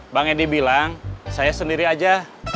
bang edi bilang saya sendiri aja